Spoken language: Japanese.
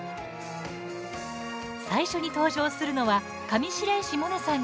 最初に登場するのは上白石萌音さんが演じる橘